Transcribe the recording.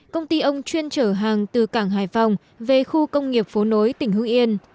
công ty ông chuyên chở hàng từ cảng hải phòng về khu công nghiệp phố nối tỉnh hương yên